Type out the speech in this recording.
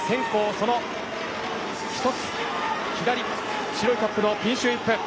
その一つ左白いキャップのピンシュー・イップ。